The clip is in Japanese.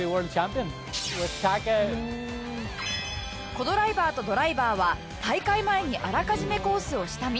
コ・ドライバーとドライバーは大会前にあらかじめコースを下見。